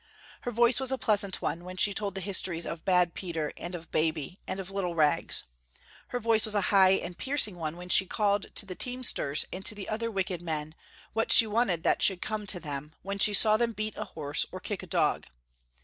Her voice was a pleasant one, when she told the histories of bad Peter and of Baby and of little Rags. Her voice was a high and piercing one when she called to the teamsters and to the other wicked men, what she wanted that should come to them, when she saw them beat a horse or kick a dog.